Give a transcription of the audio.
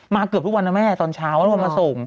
มาเกือบทุกวันนั้นแม่ตอนเช้าเขามาส่ง